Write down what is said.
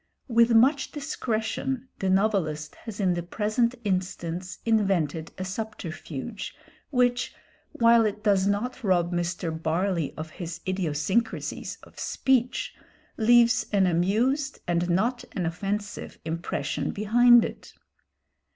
With much discretion the novelist has in the present instance invented a subterfuge, which, while it does not rob Mr. Barley of his idiosyncrasies of speech, leaves an amused and not an offensive impression behind it.